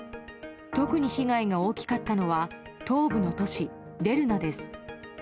特に被害が大きかったのは東部の都市デルナです。